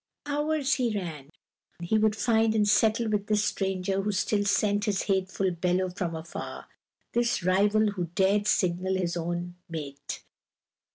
Hours he ran; he would find and settle with this stranger who still sent his hateful bellow from afar, this rival who dared signal his own mate.